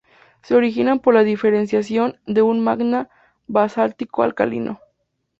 Se originan por la diferenciación de un magma basáltico alcalino.